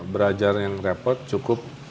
berajar yang repot cukup